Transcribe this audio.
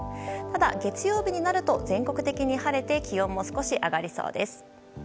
月曜日になると全国的に晴れて気温も少し上がりそうです。